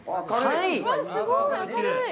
すごい、明るい。